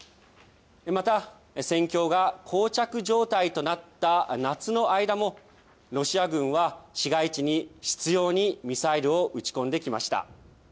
また戦況がこう着状態となった夏の間も、ロシア軍は市街地に執ようにミサイルを撃ち込んできました。